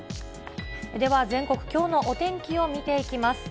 では全国、きょうのお天気を見ていきます。